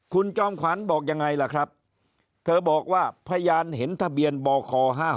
คุณจอมขวัญบอกยังไงล่ะครับเธอบอกว่าพยานเห็นทะเบียนบค๕๖